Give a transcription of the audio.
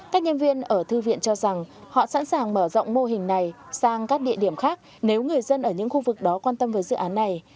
các nhân viên ở thư viện cho rằng họ sẵn sàng mở rộng mô hình này sang các địa điểm khác nếu người dân ở những khu vực đó quan tâm với dự án này